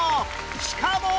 しかも